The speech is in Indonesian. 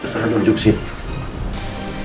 sascara tunjuk sini